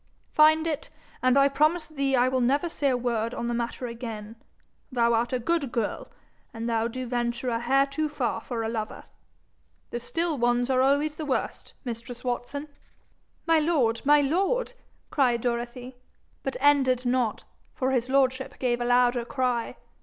'Find it, and I promise thee I will never say word on the matter again. Thou art a good girl, and thou do venture a hair too far for a lover. The still ones are always the worst, mistress Watson.' 'My lord! my lord!' cried Dorothy, but ended not, for his lordship gave a louder cry.